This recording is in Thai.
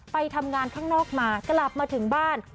ไปทำงานข้างนอกมากลับมาถึงบ้าน